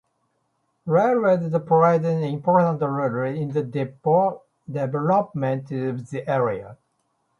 Railroads played an important role in the development of the area.